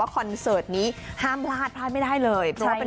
ก็ผมรักเขาอ่ะ